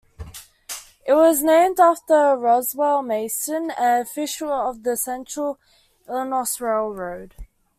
It was named after Roswell Mason, an official of the Central Illinois Railroad.